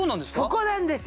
そこなんですよ。